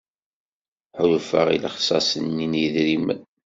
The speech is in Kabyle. Ḥulfaɣ i lexṣaṣ-nni n yedrimen.